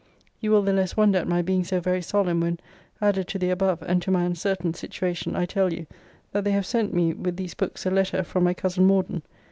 You will the less wonder at my being so very solemn, when, added to the above, and to my uncertain situation, I tell you, that they have sent me with these books a letter form my cousin Morden.